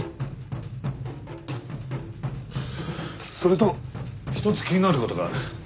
それと一つ気になることがある。